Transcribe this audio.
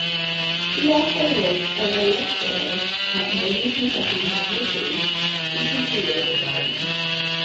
He also works as a lecturer at Northern Kentucky University, teaching creative writing.